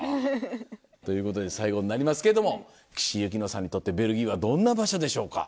ということで最後になりますけども岸井ゆきのさんにとってベルギーはどんな場所でしょうか？